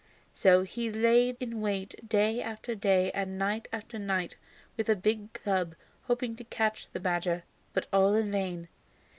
So he lay in wait day after day and night after night, with a big club, hoping to catch the badger, but all in vain.